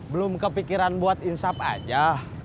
belum kepikiran buat insap aja